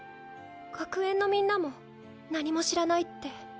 学園のみんなも何も知らないって。